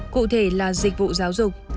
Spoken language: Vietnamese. cụ thể là dịch vụ giáo dục